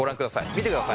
見てください。